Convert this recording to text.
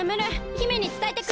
姫につたえてくる。